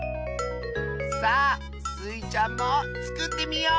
さあスイちゃんもつくってみよう！